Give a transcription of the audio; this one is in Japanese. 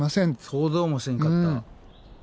想像もせんかった。